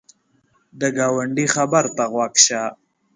د ګاونډي خبر ته غوږ شه